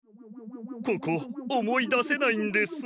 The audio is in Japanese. ここおもいだせないんです。